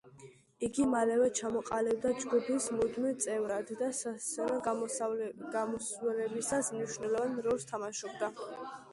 იგი მალევე ჩამოყალიბდა ჯგუფის მუდმივ წევრად და სასცენო გამოსვლებისას მნიშვნელოვან როლს თამაშობდა.